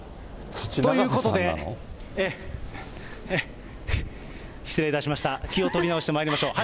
ということで、失礼いたしました、気を取り直してまいりましょう。